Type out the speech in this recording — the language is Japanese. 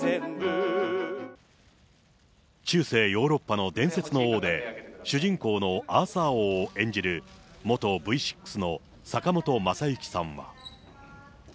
中世ヨーロッパの伝説の王で、主人公のアーサー王を演じる元Ｖ６の坂本昌行さんは。